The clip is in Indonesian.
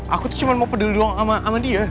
aku tuh cuma mau peduli doang sama dia